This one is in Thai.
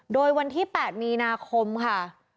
โดยวันที่๘มีนาคมค่ะ